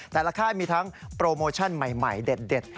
ค่ายมีทั้งโปรโมชั่นใหม่เด็ด